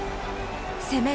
攻める